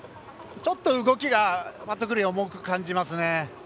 ちょっと動きがファトクリナ重く感じますね。